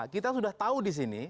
kita sudah tahu di sini